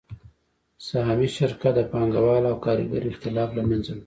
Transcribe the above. سهامي شرکت د پانګوال او کارګر اختلاف له منځه وړي